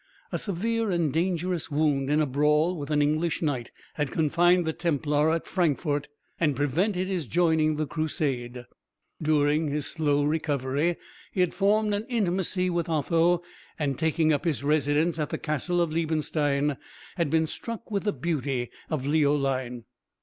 A severe and dangerous wound in a brawl with an English knight had confined the Templar at Frankfort, and prevented his joining the Crusade. During his slow recovery he had formed an intimacy with Otho, and, taking up his residence at the castle of Liebenstein, had been struck with the beauty of Leoline.